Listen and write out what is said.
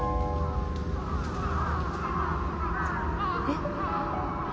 えっ？